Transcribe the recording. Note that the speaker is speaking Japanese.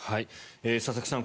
佐々木さん